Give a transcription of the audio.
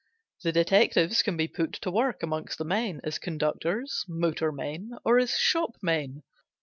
The detectives can be put to work among the men as conductors, motormen or as shop men.